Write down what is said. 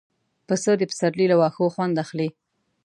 پسه د پسرلي له واښو خوند اخلي.